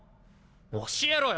教えろよ。